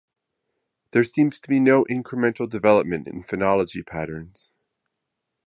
There seems to be no incremental development in phonology patterns.